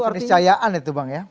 keniscayaan itu bang ya